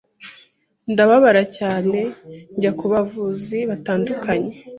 ndababara cyane njya ku bavuzi batandukanye